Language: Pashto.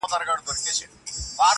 د یوه نیکه اولاد بولي ځانونه؛